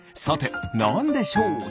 さてなんでしょう？